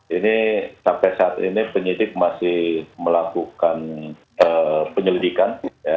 ini sampai saat ini penyidik masih melakukan penyelidikan